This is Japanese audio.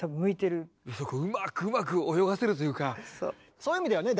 そういう意味ではね